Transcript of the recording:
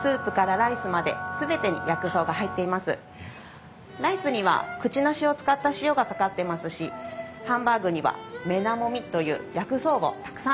ライスにはクチナシを使った塩がかかってますしハンバーグにはメナモミという薬草をたくさん練り込んであります。